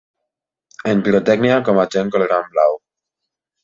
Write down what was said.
En pirotècnia com agent colorant blau.